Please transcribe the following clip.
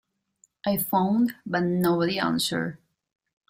I phoned but nobody answered.